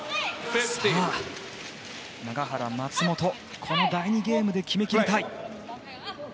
さあ永原、松本この第２ゲームで決めきりたい。